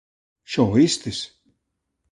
Xa o oístes.